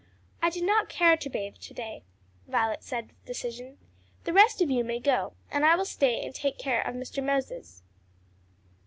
"I do not care to bathe to day," Violet said with decision. "The rest of you may go, and I will stay and take are of Mr. Moses."